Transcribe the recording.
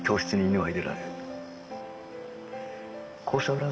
はい。